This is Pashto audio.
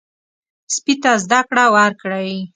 سپي ته زده کړه ورکړئ.